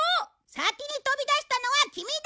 先に飛び出したのはキミだ！